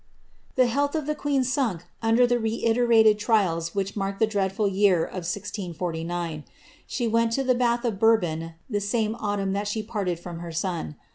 'The health of the queen sunk under the reiterated trials which marked the dreadful year of 1049. She went to the bath of Bourbon the same autumn that she parted from her son.